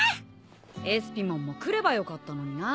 エスピモンも来ればよかったのにな。